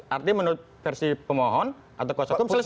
artinya menurut versi pemohon atau kuasa hukum selesai